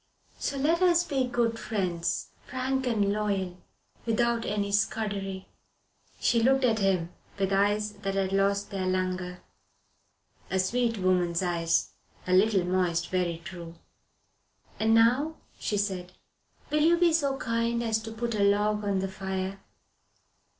So let us be good friends, frank and loyal without any Scudery." She looked at him with eyes that had lost their languor a sweet woman's eyes, a little moist, very true. "And now," she said, "will you be so kind as to put a log on the fire."